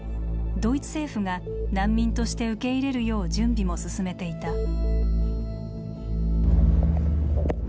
ドイツ政府が難民として受け入れるよう準備も進めていた。